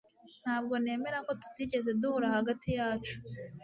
Ntabwo nemera ko tutigeze duhura hagati yacu